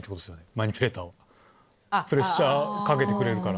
マニピュレーターはプレッシャーかけてくれるから。